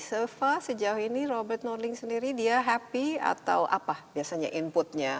sofa sejauh ini robert norling sendiri dia happy atau apa biasanya inputnya